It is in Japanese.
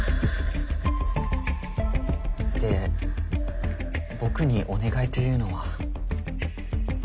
で僕にお願いというのは？